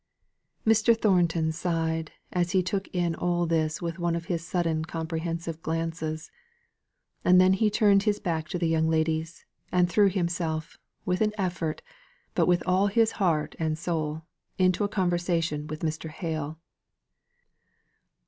Mr. Thornton sighed as he took in all this with one of his sudden comprehensive glances. And then he turned his back to the young ladies, and threw himself, with an effort, but with all his heart and soul, into a conversation with Mr. Hale.